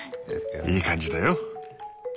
いい感じだよ。